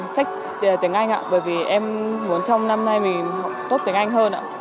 sách tiếng anh ạ bởi vì em muốn trong năm nay mình tốt tiếng anh hơn ạ